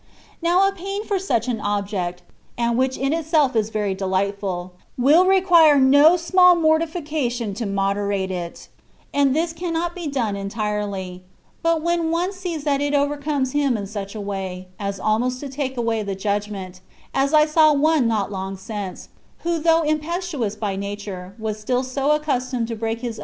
Now a pain for such an object, and which in itself is very delightful, will require no small mortifica tion to moderate it ; and this cannot be done en tirely. But when one sees that it overcomes him in such a way, as almost to take away the judgment, as I saw one not long since, who though impetuous by nature, was still so accustomed to break his own Sino con stLavidad cortar el h^lo con otra conddera cion," &c.